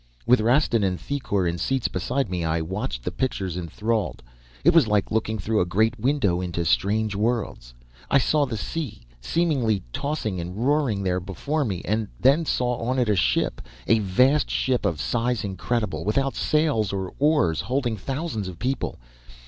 "With Rastin and Thicourt in seats beside me, I watched the pictures enthralled. It was like looking through a great window into strange worlds. I saw the sea, seemingly tossing and roaring there before me, and then saw on it a ship, a vast ship of size incredible, without sails or oars, holding thousands of people.